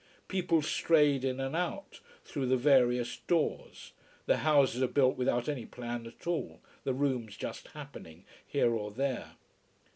People strayed in and out, through the various doors. The houses are built without any plan at all, the rooms just happening, here or there.